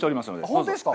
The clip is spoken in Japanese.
本当ですか。